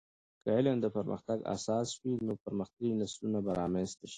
که علم د پرمختګ اساس وي، نو پرمختللي نسلونه به رامنځته سي.